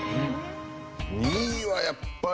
２位はやっぱり。